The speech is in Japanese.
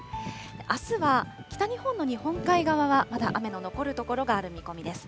あすは北日本の日本海側はまだ雨の残る所がある見込みです。